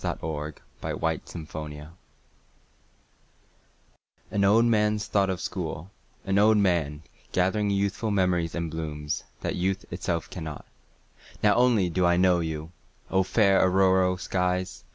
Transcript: An Old Man's Thought of School AN old man's thought of School; An old man, gathering youthful memories and blooms, that youth itself cannot. Now only do I know you!O fair auroral skies!